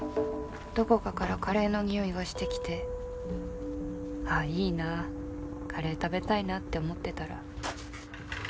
どこかからカレーの匂いがしてきてあっいいなカレー食べたいなって思ってたら。